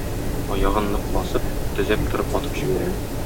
Аягын нык басып, төзәп торып атып җибәрә.